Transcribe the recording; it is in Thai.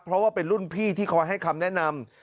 เพราะว่าเป็นรุ่นพี่ที่คอยให้คำแนะนำ